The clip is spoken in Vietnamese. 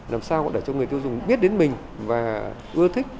làm sao để cho người tiêu dùng biết đến mình và ưa thích